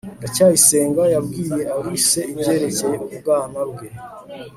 ndacyayisenga yabwiye alice ibyerekeye ubwana bwe